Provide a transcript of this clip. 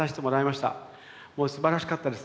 もうすばらしかったです。